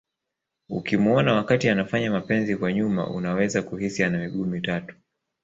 Ukimuona wakati anafanya mapenzi kwa nyuma unaweza kuhisi ana miguu mitatu